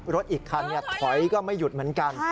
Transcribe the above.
รถอีกคันถอยก็ไม่หยุดเหมือนกัน